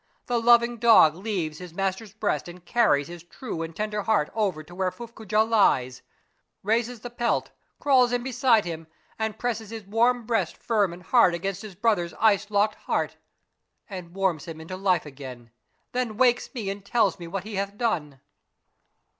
The loving dog leaves his master's breast and carries his true and tender heart over to where Fuffcoojah lies, raises the pelt, crawls in beside him, and presses his warm breast firm and hard against his brother's ice locked heart, and warms him into life again, then wakes me and tells me what he hath done.